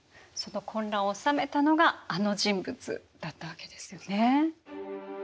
その混乱を収めたのがあの人物だったわけですよね。